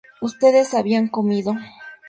ustedes habían comido